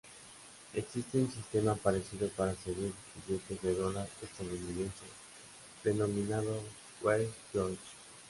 Existe un sistema parecido para seguir billetes de Dólar estadounidense, denominado Where's George?.